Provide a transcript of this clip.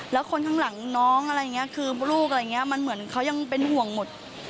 แล้วคนข้างหลังน้องอะไรอย่างนี้คือลูกอะไรอย่างนี้มันเหมือนเขายังเป็นห่วงหมด